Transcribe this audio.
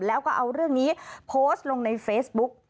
แล้วก็เอาเรื่องนี้โพสต์ลงในเฟซบุ๊ก